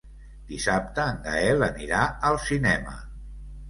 Dissabte en Gaël anirà al cinema.